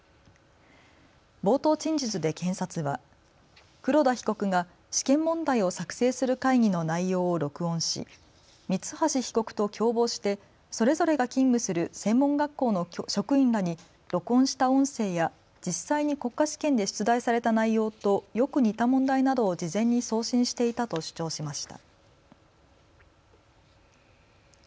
冒頭陳述で検察は黒田被告が試験問題を作成する会議の内容を録音し三橋被告と共謀してそれぞれが勤務する専門学校の職員らに録音した音声や実際に国家試験で出題された内容とよく似た問題などを事前に送信していたと主張しました。